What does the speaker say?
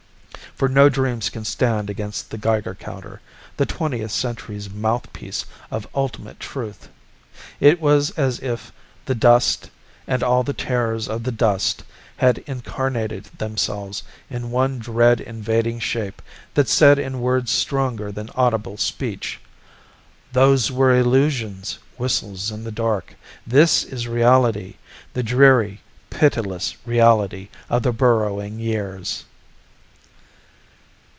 For no dreams can stand against the Geiger counter, the Twentieth Century's mouthpiece of ultimate truth. It was as if the dust and all the terrors of the dust had incarnated themselves in one dread invading shape that said in words stronger than audible speech, "Those were illusions, whistles in the dark. This is reality, the dreary, pitiless reality of the Burrowing Years."